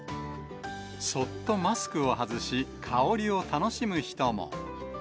そっとマスクを外し、香りを楽しむ人も。